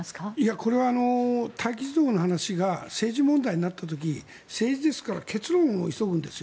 これは待機児童の話が政治問題になった時政治ですから結論を急ぐんですよ